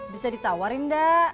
bisa ditawarin da